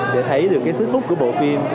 để thấy được cái sức bút của bộ phim